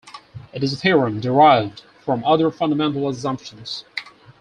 It is a theorem, derived from other fundamental assumptions.